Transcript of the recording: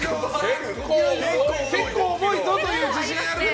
結構重いぞという自信ある方。